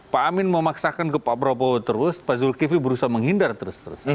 pak amin memaksakan ke pak prabowo terus pak zulkifli berusaha menghindar terus terus